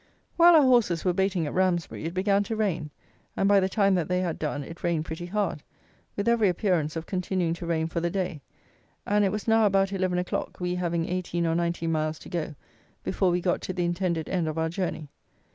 While our horses were baiting at Ramsbury, it began to rain, and by the time that they had done, it rained pretty hard, with every appearance of continuing to rain for the day; and it was now about eleven o'clock, we having 18 or 19 miles to go before we got to the intended end of our journey.